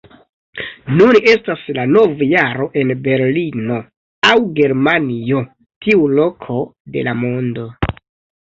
Nun estas la novjaro en Berlino, aŭ Germanio, tiu loko de la mondo